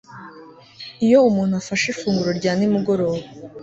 Iyo umuntu afashe ifunguro rya nimugoroba